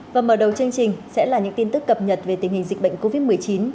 và mở đầu chương trình sẽ là những tin tức cập nhật về tình hình dịch bệnh covid một mươi chín